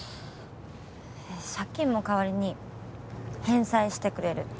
借金も代わりに返済してくれるって。